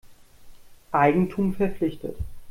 Eigentum verpflichtet.